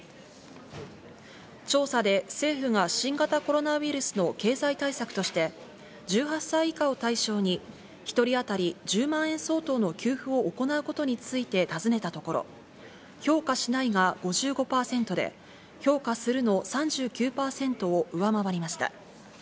調査で政府が新型コロナウイルスの経済対策として１８歳以下を対象に一人当たり１０万円相当の給付を行うことについてたずねたところ評価しないが５５％で、評価するの３９％を上回りました。